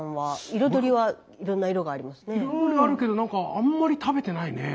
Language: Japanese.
彩りはあるけどなんかあんまり食べてないね。